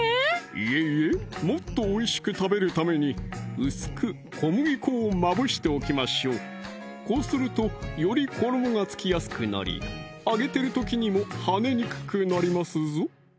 いえいえもっとおいしく食べるために薄く小麦粉をまぶしておきましょうこうするとより衣がつきやすくなり揚げてる時にもはねにくくなりますぞ